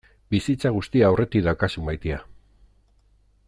Bizitza guztia aurretik daukazu maitea.